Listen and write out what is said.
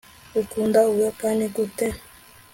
ukunda ubuyapani gute